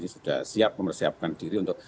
sudah siap mempersiapkan diri untuk